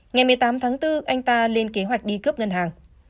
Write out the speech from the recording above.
ngày một mươi tám tháng bốn anh ta lên kế hoạch đi cướp ngân hàng